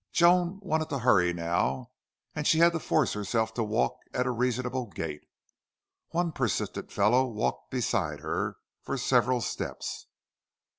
Joan wanted to hurry now, and she had to force herself to walk at a reasonable gait. One persistent fellow walked beside her for several steps.